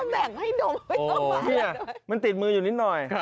พี่ขญาณมันติดมืออยู่นิดหน่อย